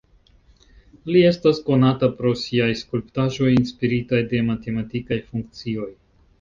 Li estas konata pro siaj skulptaĵoj inspiritaj de matematikaj funkcioj.